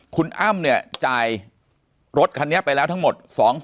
คุณอ้ำเนี่ยจ่ายรถคันนี้ไปแล้วทั้งหมด